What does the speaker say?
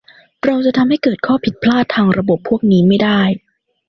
เราจะทำให้เกิดข้อผิดพลาดทางระบบพวกนี้ไม่ได้